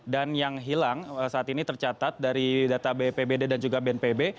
dan yang hilang saat ini tercatat dari data bpd dan bnpb